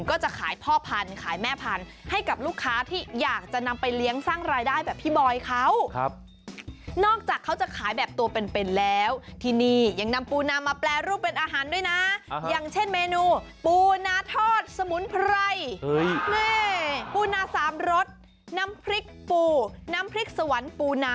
โอ้โหแต่ผมชอบนะเห็นปูแบบนี้ผมนึกถึงส้มตำปู